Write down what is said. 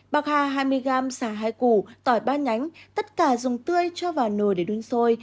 bạc hà hai mươi gram xà hai củ tỏi ba nhánh tất cả dùng tươi cho vào nồi để đun sôi